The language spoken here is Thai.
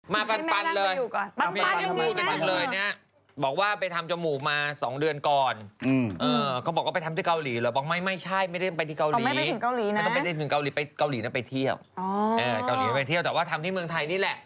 มาปันเลยปันอย่างนึงนะ